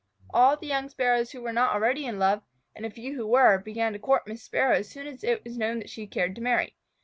All the young Sparrows who were not already in love, and a few who were, began to court Miss Sparrow as soon as it was known that she cared to marry.